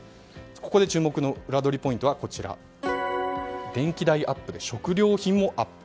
ここで注目のウラどりポイントは電気代アップで食料品もアップ。